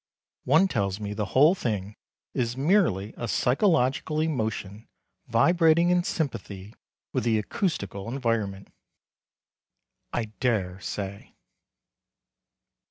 One tells me the whole thing is merely a psychological emotion vibrating in sympathy with the acoustical environment. I dare say.